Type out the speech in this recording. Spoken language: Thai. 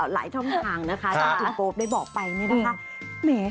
หลายช่องทางนะคะที่คุณโป๊ปได้บอกไปเนี่ยนะคะ